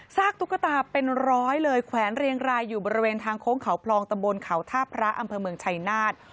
กตุ๊กตาเป็นร้อยเลยแขวนเรียงรายอยู่บริเวณทางโค้งเขาพลองตะบนเขาท่าพระอำเภอเมืองชัยนาธ